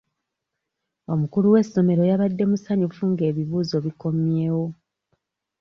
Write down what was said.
Omukulu w'essomero yabadde musanyufu nga ebibuuzo bikomyewo.